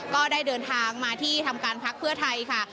ก็ได้เดินทางมาที่ทำการพักเพื่อไทยค่ะ